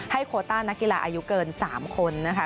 โคต้านักกีฬาอายุเกิน๓คนนะคะ